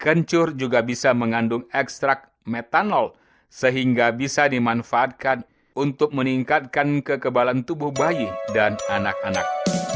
kencur juga bisa mengandung ekstrak metanol sehingga bisa dimanfaatkan untuk meningkatkan kekebalan tubuh bayi dan anak anak